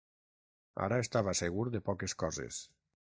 Ara estava segur de poques coses.